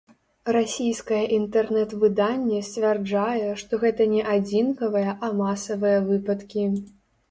Расійскае інтэрнэт-выданне сцвярджае, што гэта не адзінкавыя, а масавыя выпадкі.